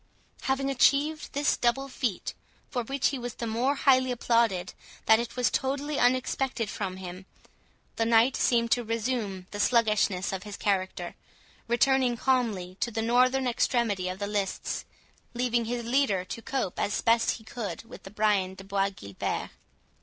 Having achieved this double feat, for which he was the more highly applauded that it was totally unexpected from him, the knight seemed to resume the sluggishness of his character, returning calmly to the northern extremity of the lists, leaving his leader to cope as he best could with Brian de Bois Guilbert.